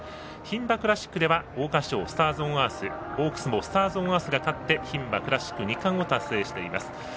牝馬クラシックでは桜花賞、スターズオンアースオークスもスターズオンアースが勝って牝馬クラシック二冠を達成しています。